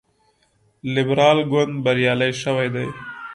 لیبرال ګوند بریالی شوی دی.